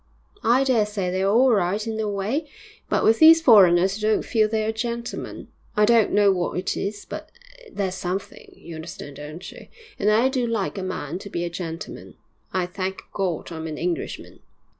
'I dare say they're all right in their way, but with these foreigners you don't feel they're gentlemen. I don't know what it is, but there's something, you understand, don't you? And I do like a man to be a gentleman. I thank God I'm an Englishman!'